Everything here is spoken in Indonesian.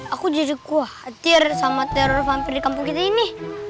aku justru khawatir sama teror hampir di kampung kita ini